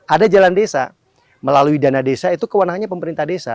ada jalan desa melalui dana desa itu kewenangannya pemerintah desa